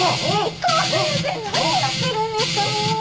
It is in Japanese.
彦先生何やってるんですかもう。